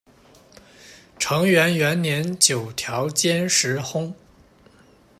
承元元年九条兼实薨。